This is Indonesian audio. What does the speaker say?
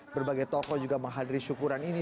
berbagai tokoh juga menghadiri syukuran ini